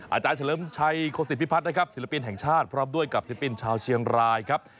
อาจารย์เฉลิมชัยโคศิพิพัฒน์นะครับศิลปินแห่งชาติพร้อมด้วยกับศิลปินชาวเชียงรายครับ